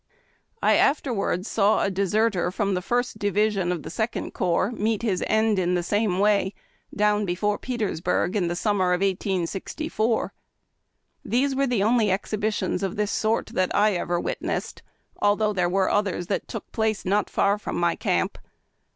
I afterwards saw a deserter from the First Division pf the Second Corps meet his end in the same way, down before Petersburg, in the summer of 1864. These were the only exhibitions of this sort tliat I ever witnessed, although there were others that took place not far from my camp.